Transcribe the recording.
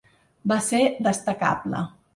Va ser destacable.